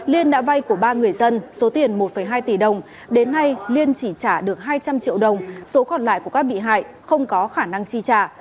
liên đã vay của ba người dân số tiền một hai tỷ đồng đến nay liên chỉ trả được hai trăm linh triệu đồng số còn lại của các bị hại không có khả năng chi trả